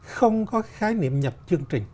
không có khái niệm nhập chương trình